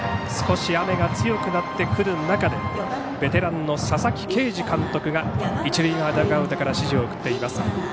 少し雨が強くなってくる中でベテランの佐々木啓司監督が一塁側ダグアウトから指示を送っています。